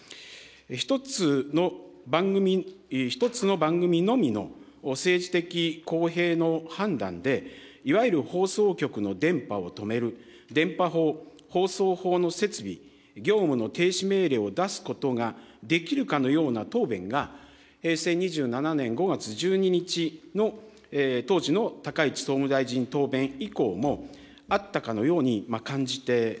１つの番組、１つの番組のみの政治的公平の判断で、いわゆる放送局の電波を止める、電波法放送法の設備、業務の停止命令を出すことができるかのような答弁が、平成２７年５月１２日の当時の高市総務大臣答弁以降もあったかのように感じております。